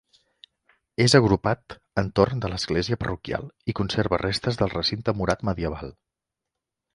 És agrupat entorn de l'església parroquial i conserva restes del recinte murat medieval.